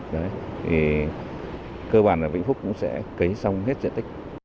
đấy thì cơ bản là vĩnh phúc cũng sẽ cấy xong hết diện tích